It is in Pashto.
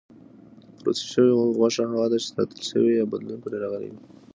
پروسس شوې غوښه هغه ده چې ساتل شوې یا بدلون پرې راغلی وي.